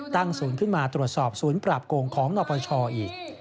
ศูนย์ขึ้นมาตรวจสอบศูนย์ปราบโกงของนปชอีก